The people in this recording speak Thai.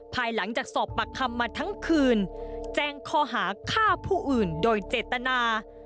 ภายหลังจากสอบปากคำมาทั้งคืนแจ้งข้อหาฆ่าผู้อื่นโดยเจตนา